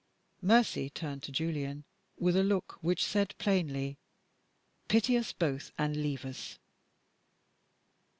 Mercy turned to Julian, with a look which said plainly, "Pity us both, and leave us!"